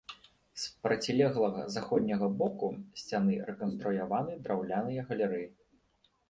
З процілеглага, заходняга боку сцяны рэканструяваны драўляныя галерэі.